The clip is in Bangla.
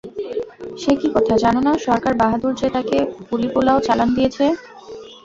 সে কী কথা, জান না, সরকার বাহদুর যে তাকে পুলিপোলাও চালান দিয়েছে?